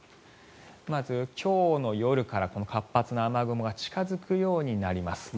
まず、今日の夜からこの活発な雨雲が近付くようになります。